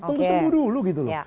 tunggu sembuh dulu gitu loh